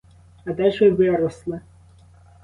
А де ж ви виросли?